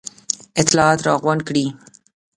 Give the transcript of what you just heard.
اطلاعات را غونډ کړي.